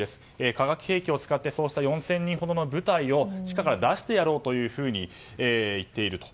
化学兵器を使って４０００人の部隊を、地下から出してやろうと言っていると。